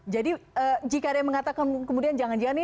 jadi jika ada yang mengatakan kemudian jangan jangan